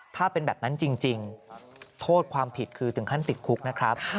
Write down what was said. ถ้าเป็นแบบนั้นจริงโทษความผิดคือถึงขั้นติดคุกนะครับ